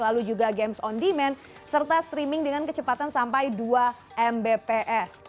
lalu juga games on demand serta streaming dengan kecepatan sampai dua mbps